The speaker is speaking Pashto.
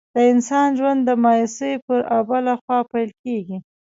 د انسان ژوند د مایوسۍ پر آبله خوا پیل کېږي.